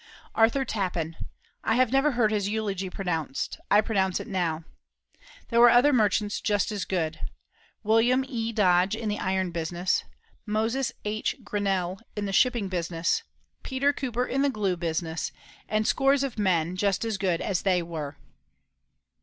Arthur Tappen, I have never heard his eulogy pronounced. I pronounce it now. There were other merchants just as good William E. Dodge in the iron business, Moses H. Grinnell in the shipping business, Peter Cooper in the glue business, and scores of men just as good as they were.